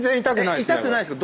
どこも痛くないですか？